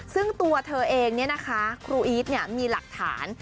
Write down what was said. ซึ่งตัวเธอเองเนี่ยนะคะครูอีทเนี่ยมีหลักฐาน